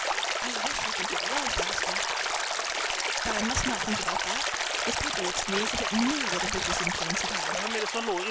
I wish I could get well faster. But I must not think about that. This paper looks to me as if it knew what a vicious influence it had!